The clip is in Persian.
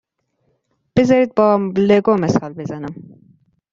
بذارید با لگو مثال بزنم.